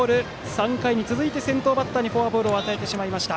３回に続いて先頭バッターにフォアボールを与えてしまいました。